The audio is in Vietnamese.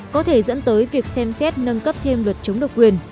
có thể dẫn tới việc xem xét nâng cấp thêm luật chống độc quyền